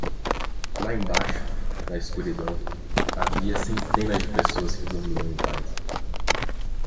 Lá embaixo, na escuridão, havia centenas de pessoas que dormiam em paz.